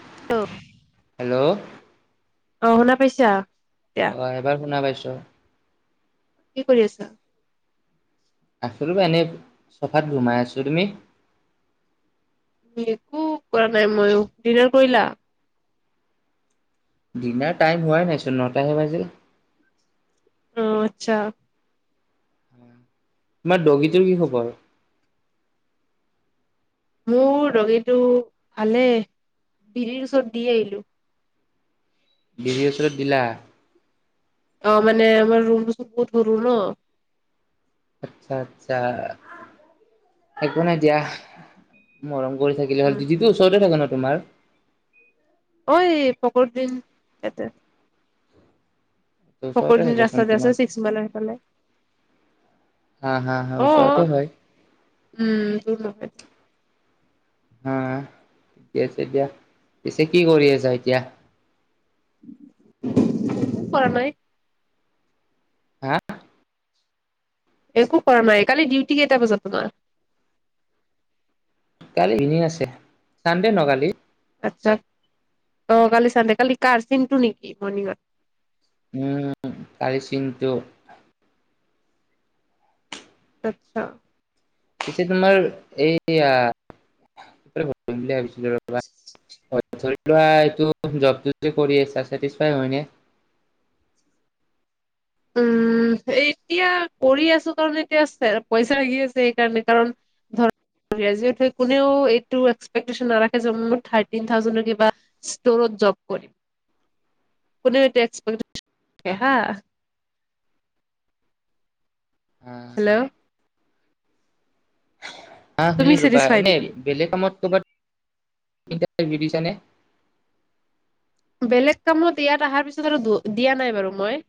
[unintelligible] Hello অ শুনা পাইছা এতিয়া অ এবাৰ শুনা পাইছো কি কৰি আছা [unintelligible] চফাত ঘুমাই আছো তুমি একো কৰা নাই মইো ডিনাৰ কৰিলা দিনাৰ টাইম হোৱাই নাইচোন নটাহে বাজিল অ আচ্ছা তোমাৰ ডগীটোৰ কি খবৰ মোৰ দগীটো ভালে বিৰিৰ ওচৰত দি আহিলো বিজিৰ ওচৰত দিলা অ মানে আমাৰ ৰুম টো বহুত সৰু ন আচ্ছা আচ্ছা একো নাই দিয়া মৰম কৰি থাকিলে হ'ল উম [unintelligible] ওচৰতে থাকো ন তোমাৰ ঐ পকৰ দিন এতে সকলো ওচৰতে দিন থাকেচোন ৰাস্তাতে আছে তোমাৰ ছিক্স মাইলাৰ সেইফালে হা হা হা অ ওচৰতে হয় অ উম নহয় হা ঠিকে আছে দিয়া পিছে কি কৰি আছা এতিয়া একো কৰা নাই হা একো কৰা নাই কালি ডিউটি কেইটা বজাত তোমাৰ কালি ইভিনিং আছে চানডে ন কালি আচ্ছা অ কালি চানদে কালি কাৰ চিনটো নেকি মৰ্নিঙত উম তাৰেই চিন্তু আচ্ছা এটিয়া তোমাৰ এইয়া বুলি ভাবিছিলো ৰবা ধৰি লোৱা এই যত ডিউটি কৰি আছা চেইছফাই নে? [unintelligible] উম এতিয়া কৰি আছো কাৰণ এতিয়া পইচা লাগি আছে সেইকাৰণে কাৰণ ধৰ আজি কালি কোনেও এইটো এক্সটেপটেচন নাৰাখে যে মোৰ থাৰ্টি থাউজেণ্ড টো কিবা স্তৰত জব কৰিম [unintelligible] কোনে এতি এক্সপে্ট হা হেল্ল' [unintelligible] আহ তুমি শুনি ৰবা চেটিছফাই এনে নেকি? বেলেগ কামত কৰ'বাত [unintelligible] বেলেগ কামত ইয়াত অহাৰ পিছত আৰু দিয়া নাই বাৰু মই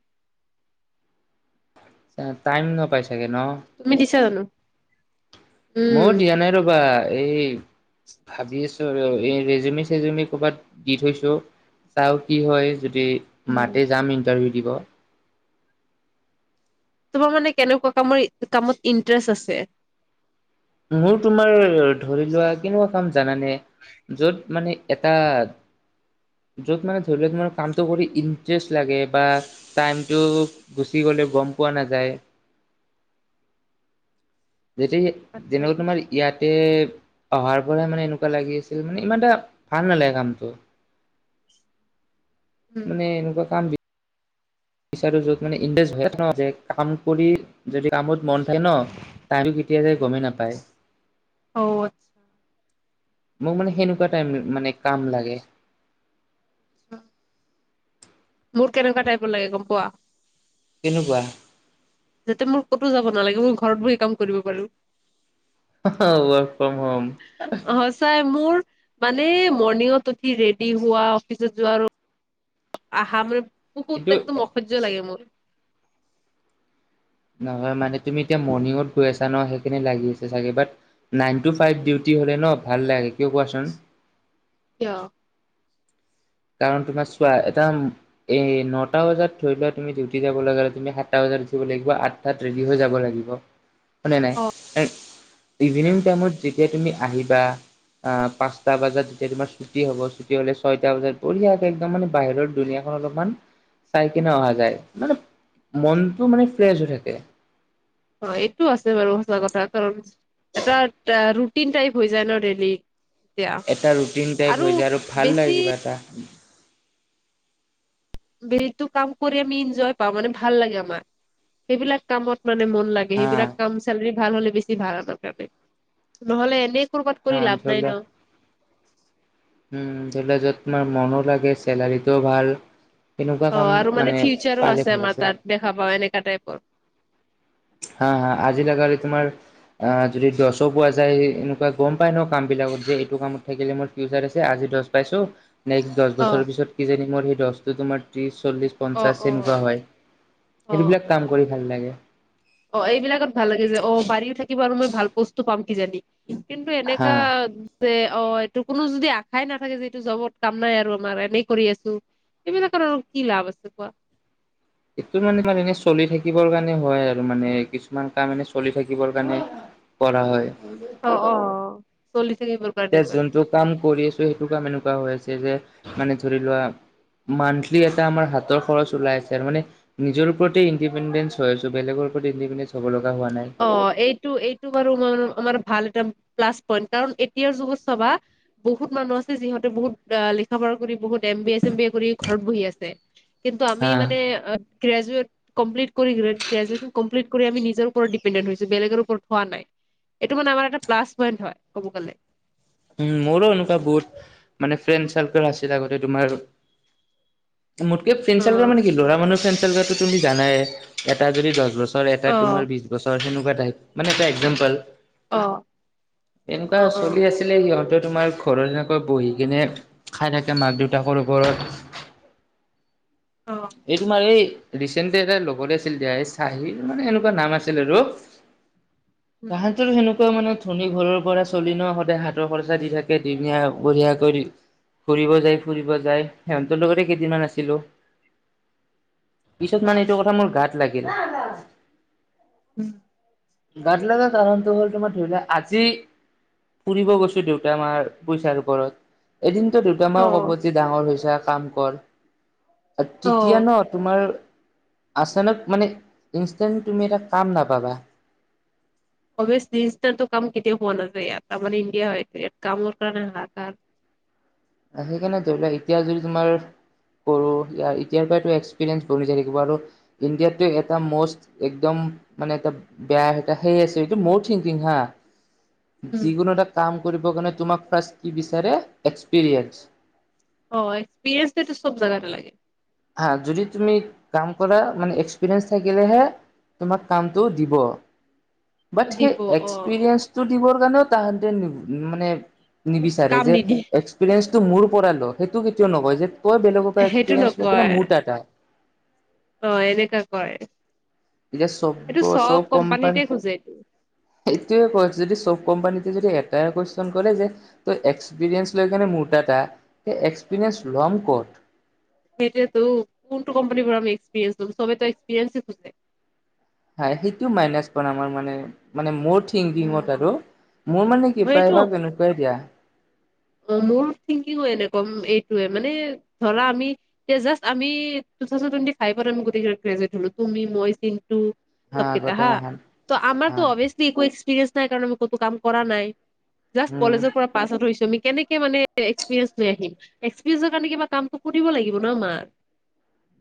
টাইম নাপাইছো তুমি দিছা জানো উম, ময় দিয়া নাই ৰবা এই ভাবি আছো আৰু এই ৰেজমি চেজমি কৰ'বাত দি থৈছো চাও কি হয় যদি উম, মাতে যাম ইন্টাৰভিউ দিব তোমাৰ মানে কেনেকুৱা কামৰ কামত ইন্টাৰেষ্ট আছে মোৰ তোমাৰ ধৰি লোৱা কেনেকুৱা কাম জানানে য'ত মানে এটা য'ত মানে ধৰি ল কামটো কৰি ইটষ্ট লাগে বা টাইটো গুি গ গম পোৱা নাযায় যেতিয়া আচ্ছা, যেনেকুৱা তোমাৰ ইয়াতে অহাৰ পৰা মানে এনেকুৱা লাগি আছিল মানে ইমান এটা ভাল নালাগে কামটো উম, মানে এনেকুৱা কাম বিচাৰো যত মানে ইনকাম কৰি যদি কামত মন থাকে ন টাইম কেতিয়া যায় গমেই নাপায় অ', আচ্ছা, মোক মানে সেনেকুৱা টাইম মানে কাম লাগে অ মোৰ কেনেকুৱা টাইপৰ লাগে গম পোৱা কেনেকুৱা যাতে মোৰ ক'তো যাব নালাগে মই ঘৰত বহ সেই কাম কৰিব পাৰো ৱৰ্ক ফ্ৰম হোম অ সচাই মোৰ মানে মৰ্ণিঙত উঠি ৰেডি হোৱা অফিচত যোৱা আৰু আহা মানে কিন্তু বহুত একদম অসহ্য লাগে মোৰ নহয় মানে ন ভাল লাগে কিয় কোৱাচোন কিয় কাৰণ তোমাৰ চোৱা এটা এই নটা বজাত ধৰি লোৱা তুমি ডিউটি যাব লগা তুমি সাতটা বজাত উথিব লাগিব ৰেডি হৈ যাব লাগিব হয় নে অ নাই ইভিনিং টাইমত যেতিয়া তুমি আহিবা অ পাঁচটা বজাত এতিয়া তোমাৰ ছুটি হ'ব ছুটি হলে ছয়টা বজাত, বৰিয়াকে একদম মানে বাহিৰৰ দুুনীয়াখন অলপমান চাই কিনে অহা যায় মানে, মনটো মানে ফ্ৰেছ হৈ থাকে। অ এইটো আছে বাৰু হঁচা কথা কাৰণ, এটা ৰুটিন টাইপ হৈ যায় ন ডেলি এটা ৰুটিন টাইপ হৈ যায় আৰু ভাল বেছি লাগে কিবা এটা, যটো কাম কৰি আমি এনজয় পাওঁ মানে ভাল লাগে আমাৰ সেইবিলাক কামত, মানে মন লাগে হা সেইবিলাক কাম চালৰি ভাল হ'লে বেছি ভাল আমাৰ কাৰণে নহ'লে এনে, কুৰপাত হা কৰি লাভ নাই অঞ্চল ন উম ধৰি লোৱা যত তোমাৰ মনো লাগে চেলাৰীটোও ভাল, তেনেকুৱা অ কাম আৰু মানে ফিউচাৰো পালে আছে ভাল আমাৰ আছিল। তাত দেখা পাও এনেকা টাইপৰ হা হা আজি লাগালি তোমাৰ অ যদি দহো পোৱা যায় এনেকুৱা গম পাই ন কাম বিলাকত যে এইটো কামত থাকিলে মোৰ ফিউচাৰ আছে আজি দহ পাইছো নেক্সট দহ বছৰৰ অ পিছত কিজানি মোৰ সৈই দহ টো তোমাৰ ত্ৰিছ, চল্লিশ অ পঞ্চাশ অ সেনেকুৱা হয় অ সেইবিলাক কাম কৰি ভাল লাগে। অ এইবিলাকত ভাল লাগে যে অ বাৰী থাকিব আৰু মই ভাল বস্তু পাম কি জানি কিন্তু হা এনেকা যে অ এইটো কোনো যদি আশাই নাথাকে যে এইটো জবত কাম নাই আৰু আমাৰ এনেই কৰি আছো। এইবিলাকাক কি লাভ আছে কোৱা। সটো মানে ত এনে চলি থাকিবৰ কাৰণে হয় আৰু মানে কিছুমান কাম এনে চলি থাকিবৰ কাৰণে, কৰা হয়। অ' অ' চলিছে, এতিয়া যোনটো কাম কৰি আছো সেইটো কাম এনেকুৱা হৈ আছে যে মানে ধৰি লোৱা। মানন্থলি এটা আমাৰ হাতৰ খৰচ ওলাই আছে আৰু মানে নিজৰ ওপৰতে ইণ্ডিপেণ্ডেন্ঞ্চ হৈ আছো বেলেগৰ। ইনদিস্পছ হ'ব লগা হোৱা নাই অ এইটো এইটো বাৰু মান আমাৰ ভাল এটা, প্লাছ পইন্ট কাৰণ এতিয়াৰ যুগত চবা বহুত মানুহ আছে যিহঁতে বহুত লিখা পঢা কৰি বহুত, এই B S same B S কৰি ঘৰত বহিয়েই আছে কিন্তু আমি হা মানে গ্ৰেজুৱেট কমপ্লিট কৰি গ্ৰেজুৱেট নিজৰ ঘৰতে বহি আছো। বেলগৰ ওপৰত হোৱা নাই এই টো মানে প্লাছ পইন্ট হয় ক'ব গ'লে, উ মোৰো এনেকুৱা বহুত মানে ফ্ৰেণ্ড চাৰ্কেল আছিল আগতে তোমাৰ, মোতকে অ ফেঞ্চেলগাৰ মানে কি লৰা মানুহ ফ্ৰেঞ্চেলগাৰটো তুমি জানাই এটা যদি দহ বছৰ। এটা অ তোমাৰ বিশ বছৰ সেনেকুৱা টাইপ মানে এটা একজাম্পল, আহ অ' অ' চলি আছিলে সিহঁতে তোমাৰ ঘৰত যেনেকৈ বহি কিনে খাই থাকে মাক দেউতাকৰ ওপৰত, অ এইটো মাৰে ৰিচেণ্টলি এটা লগতে আছিল দা চাহিৰ মানে এনেকুৱা নাম আছিল আৰু উম তাহাঁতো সেনেকুৱা মানে ধনী ঘৰৰ পৰা চলি ন সদায় হাত, খৰচা দি থাকে দুমীয়া বঢ়িয়া কৰি ফুৰিব যায় ফুৰিব যায় সিহঁতৰ লগতে কেইদিনমান আছিলো। পিছত আচ্ছা মানে এইটো কথা মোৰ গাত লাগিল উম! গাটল যে কাৰণ ত ব'লটো মই থেউলে আজি ফুৰিব গৈছো দেউতা আমাৰ পইচাৰ ওপৰত এদিনতো দুত অ মাও কব যে ডাঙৰ হৈছে কাম কৰ, অ তেতিয়া ন তোমাৰ আচানক মানে ইনেণ্ট তুমি এটা কাম নাপাবা। অাৰটো কাম কেতিয়া হোৱা নাযায়য় আমাৰ ইণ্ডিয়া হয় ইয়াত কামৰ কাৰণে হাহাক সেইকাৰণে ধৰি লোৱা এতিয়া যদি তোমাৰ কৰো এতিয়াৰ পৰাো এক্সপিৰিয়েঞ্চ বনায় থাকিব আৰু ইণ্ডিয়াত এটা মষ্ট একদম, মানে এটা বেয়া সেই আছে এইটো মোৰ থিংকিং হা উম যোনো কাম কৰিব কাৰ অ এক্সপে চব জাগাটা লাগে হা যদি তুমি কাম কৰা মানে এক্সপৰিিয়েস থাকিলেহে তোমাক কামটো দিব বাট সেই দিব অ এক্সপিৰিয়েঞ্চটো দিবৰ কাৰণেও তাহাঁতে মানে নিবিচাৰে কাম যে নিদিয়ে এক্সপিৰিয়েন্ঞ্চটো মোৰ পৰা ল সেইটো কেতিও নহয় যে তই বেলেগৰ পৰা সেইটো এক্সপিৰিয়েন্ঞ্চ নে নকয় মোটাটা অ এনেককা কয় এতিয়া চব এইটো চব কোম্পানীতে কোম্পানী খোজে এইটো এইটোয়ে কৈছ যদি চব কোম্পানী এ্ ল ম এটা এক্ে কমকট সেইতিয়ো কোনটো কোম্পানীৰ এক্সপৰিেঞ্চো চবো এক্সপৰিেঞ্চ খজে হয় সেইটো মাইনাচ কৰা আমাৰ মানে মানে ম থংকিঙ উম মোৰ মানে ক প্ৰ সেইটো এভাগ এনেকুৱাই দিয়া অ মোৰ থিংকিংো এনেকুৱা এইটোয়ে মানে ধৰা আমি এ জাষ্ট আমি ু থাউডুৱেট ফাইভত আি গেই গ্ৰেজেটল তুম মইং চবকেইটা আগতে হা মাহান ত আাৰো হা অভিয়লি ঠিক আছে নাই কাৰণ ম কতো কাম কৰা নাই জাষ্ট উম কলেজৰ পৰা পাছ আউট হৈছো ম কেনেকে মানে এক্সপিৰিয়েঞ্চ লৈ আহিম এক্সপিৰিয়েঞ্চৰ কাৰণে কিবা কামটো কৰিব লাগিব ন মাক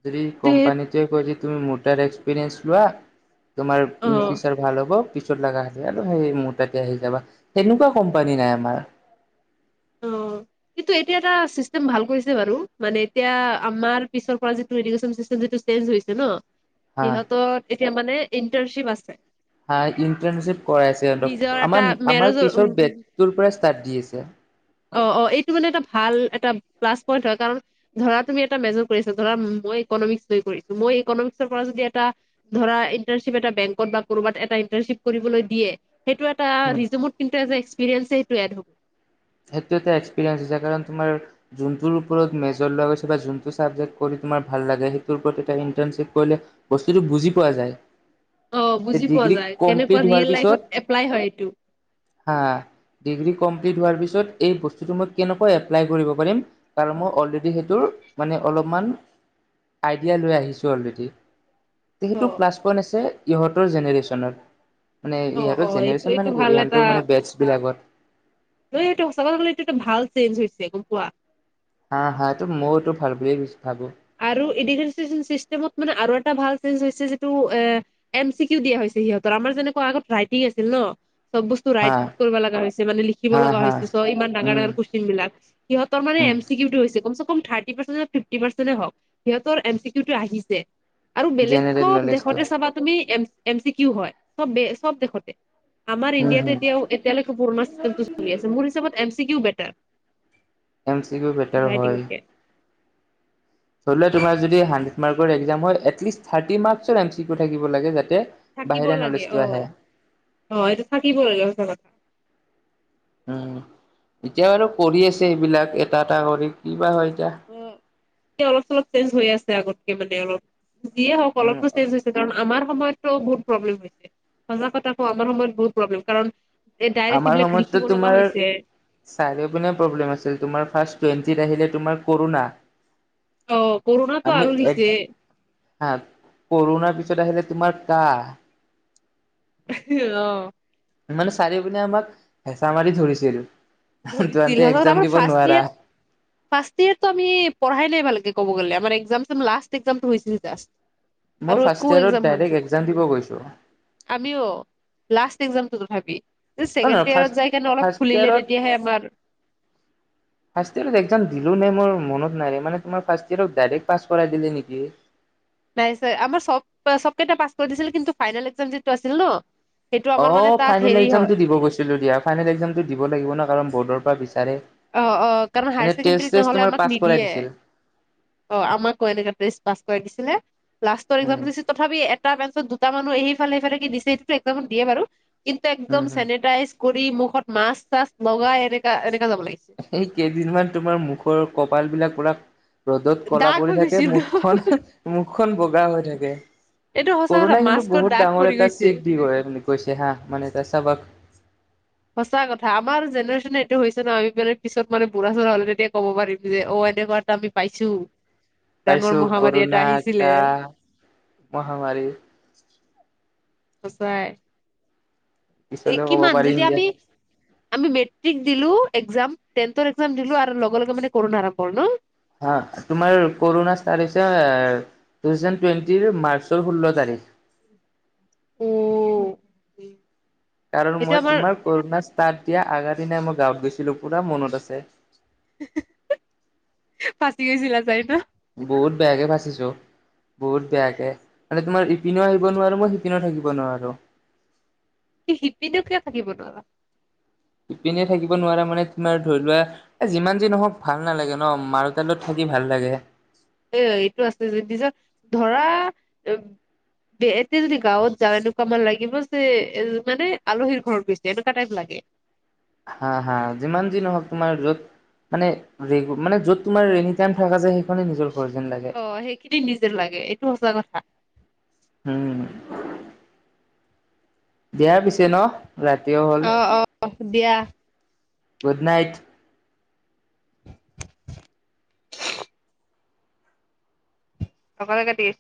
য কম্পানীটোে ক তুমি মটাৰ এক্সপিৰিন্ লোৱা তোমাৰ অ ইন ফিউচাৰ ভাল হ'ব পিছত লগা আৰু সেই মোৰ তাতে আহি যাবা তেেনেকুৱা কোম্পানী নাই আমাৰ অ কিন্তু এতিয়া এটা চিষ্টেম ভাল কৰিছে বাৰু মানে এতিয়া আমাৰ পিছৰ পৰা যিটোডেশন চিষ্ট যি হৈছে ন হা সিহঁত এতিয়া মানে ইণ্টাৰশ্বিপ আছে হা ইণ্টাৰ্ণশ্বিপ কৰাইছে সিহতক নিজৰ এটা আমাৰ আমাৰ পিছৰ মেৰজৰ বেৰ পৰা চাত দি আছে অ অ এইটো মানে এটা ভাল এটা প্লাছ পইন্ট হয় কাৰণ ধৰা তুমি এটা মেজ কৰিছা ধৰাই যদি এটা ধৰা ইন্টাৰ্ণশ্বিপ এটা বেংকত বা ক'ৰবাত এটা ইন্টাৰ্ণশ্বিপ কৰিবলৈ দিয়ে সেইটো এটা উম ৰিজুমত কিন্তু এজ এ এক্সপিৰিয়েঞ্চ সেইটো এড হ'ব। সেইটো এটা এক্সপিৰিয়েঞ্চ হৈছে কাৰণ তোমাৰ যোনটোৰ ওপৰত মেজৰ লোৱা গৈ হৈছে বা যোনটো ছাবজেক্ট কৰি তোমাৰ ভাল ভাল লাগে সেইটোৰ ওপৰত এতিটা ইণ্টাৰ্ণশ্বিপ কৰিলে বস্তুতটো বুজি পোৱা যায় অ যে বুজি পোৱা ডিগ্ৰী যায় কমপ্লিট কেনেকুৱা হোৱাৰ ৰিয়েল পিছত লাইফত এপ্লাই হয় এইটো হা ডিগ্ৰী কম এপ্লাই কৰিব পাৰিম কাৰণ মই অলৰেডি সেইটোৰ মানে অলপমান আইডিয়া লৈ আহিছোঁ অলৰেডি সেইটো অ', প্লাছ পইণ্ট আছে ইহঁতৰ জেনেৰেশ্যনত মানে অ', ইহঁতৰ অ', এইটো জেনেৰেশ্যন এইটো মানে কি ভাল এটা ইহঁতৰ মানে বেটছ বিলাকত চ গলে এইটোটা ভাল চেঞ্জ হৈছে গম পোৱা হা হা তটো মইওতো ভাল বুলে কুজছো আৰু এডিেমত মানে আৰু এ এটা ভাল চেজ হৈছে যিটো এ এম চি কিউ দিয়া হৈছে সিহঁতৰ আমাৰ যেনেকুৱা আগত ৰাইটিং আছিল ন চব বস্তু হা ৰাইট কৰিব লগা হৈছে মানে লিখিব হা লগা হা হৈছে চব ইমান ডাঙৰ উম ডাঙৰ কুৱেশন বিলাক সিহঁতৰ মানে উম হৈছোৰিটি পাৰ্চে হক সৰ এম চিউটো আহিছে আৰু বেলেগ জেনেৰেল চব নলেজটো দেশতে চাবা তুমি এম চি কিউ হয় চব চব দেশতে আমাৰ উম ইণ্ডিয়াতে হম এতিয়াও এতিয়ালৈকে পুৰণািষ্টেমটো চলি আছে মোৰ হিচাপত M C better M C পউ বেটাৰ হয় ৰাইটিঙতকে ধৰি ল তোমাৰ যদি হাডে মাৰ্ হয়িষ্ট থাৰ্টি ম্ থিব লাগে যাতে থাকিব বাহিৰা লাগে নলেজটো অ আহে অ এইটো থাকিব লাগে সচ কথা উম এতিয়া বাৰু কৰি আছে এইবিলাক এটা এটা কৰি ক বাা হয় এতিয়া। অ', অলপ চলপ চেঞ্জ হৈ আছে আগতকে মানে অলপ যিয়ে হওক উম অলপতো চেঞ্জ হৈছে কাৰণ আমাৰ সময়ত। বহুত প্ৰব্লেম হৈছে সজাগ কতাকো আমাৰ সময়ত বহুত প্ৰব্লেম কাৰণ এ ডাইৰেক্ট মাৰ সেইবিলাক লিখিব লগা সময় হৈছে আহিলে তোমাৰ কৰোণা অ', কৰোণাতো আমি আৰু এক দিছে হা কৰো। তোমাৰ ক আহ! মানে চাৰিও পিনে আমাক হেঁচা মাৰি ধৰিছিলো। ধৰিছিল আমাৰ ফাৰ্ষয় ফাৰ্ষ ইয়টো আমি পঢ়াই লব লাগে। ক'ব গ'লে আম মই আৰু ফাৰ্ষ্ট একো এ ইয়েৰত কাম হোৱা ডাইৰেক্ট নাছিল এক্জাম দিব গৈছো আমিও লাষ্ট এ কাম ি অলপ খিলে ফাৰ্ষয় এক্জাম দিলো নাই মই, মনত নাই মানে তোমাৰ ফাৰ্ষ ইয়ক ডাইৰেক্ট পাছ কৰাইিলে নেকি, নাই ছাৰ আমাৰ চব চব কেই পাছ কৰিছিল কিন্তু ফাইনেল এক্াম যিটো আছিল ন সেইটো অ আমাৰ মানে তাত ফাইনেল হেৰি এক্জাম হয় টো দিব গৈছিলো দিয়া ফাইনেল এক্জাম টো দিব লাগিব ন কাৰণ বৰ্ডৰ পৰা বিচাৰে অ অ কাৰণ এনে হায়াৰ ছেকেণ্ডৰী টেষ্ট চেষ্ট নহলে তোমাৰ আমাক পাছ কৰাই নিদিয়ে। দিছিল অ আমাকো এনে পাছ কৰা দিছিলে লাষ্টৰ একাম উম তথাপি এটা বেঞ্চত তাৰ মানুহ এইেইফালে সেইফালে কি দিছে সটোটো একদম দিয়ে বাৰু কিন্তু একদম উম হম চেনিটাইজ, কৰি মুখত মাছ চাছ লগাই এনেকা এনেকা যাব লাগে। সেই কেইদিনমান তোমাৰ মুখৰ কপাল বিলাক পৰা, ৰ'দত কলা দাগ পৰি হৈ থাকে গৈছিল ন, মুখখন মুখখন বগা হৈ থাকে। এইটো সঁচা কথা কৰোণাই কিন্তু মাস্কত বহুত দাগ ডাঙৰ পৰি এটা গৈছে চিিক দি কৰে বুলি কৈছে হা মানে এ চাবা সঁচা কথা আমাৰ জেনেৰেশ্যন সেইটো হৈছে ন আমি মানে পিত মানে বুঢ়া চুঢ় হলে তেতিয়া ক'ব পাৰি যে অ' তেনেকুৱাটা আমি পাইছো। ডাঙৰ পাইছো মহামাৰী এটা কৰোণা, আহিছিলে কা, মহামাৰী, সঁচাই এক পিছলৈও কি ক'ব পাৰিম মানজতি যে আমি আমি মেট্ৰিক দিলো এক্ামটেন্ৰ এ কাম দিলো আৰু লগে লগে মানে কৰ আৰম্ কৰো ন হা তোমাৰ কৰোণ চ তাৰিছে, টু থাউজেণ্ড টুৱেণ্টিৰ মাৰ্চৰ ষোল্ল তাৰিখ উ! কাৰণ মই তোমাৰ কৰোণা ষ্টাৰট দিয়া আগাৰ দিনাই মই গাঁৱত গৈছিলো পুৰা মনত আছে। ফাচি গৈছিল যায় ন বহুত বেয়াকে ভচিছো। বহুত বেয়াকে মানে তোমাৰ ইপিনেও আহিব নোৱাৰো মই সিপিনেও থাকিব নোৱাৰো। স সিপিনীও কিয় থাকিব নোৱাৰা। ইপিনে থাকিব নোৱাৰা মানে তোমাৰ ধৰি লোৱা এ যিমান যি নহওক ভাল নালাগে ন মাৰু তালত থাকিব। ভাল লাগে। এ এইটো আছে যদিছ ধৰা এতিয়া যদি গাঁৱত যাওঁ এনেকুৱা মান লাগিব যে এ মানে আলহীৰ ঘৰত গৈছে এনেকুৱা টাইপ লাগে। উ! হা হা যিমান যিন নহওক তোমাৰ য'ত মানে মানে যত তোমাৰ এনি টাইম থাককা যে সেই, অ সেইখিনি নিজে লাগে এইটো সঁচা কথা। হম! দিয়াৰ পিছে ন ৰাতিও হল। অ দিয়া। গুড নাইট ত কলে কাটি আছ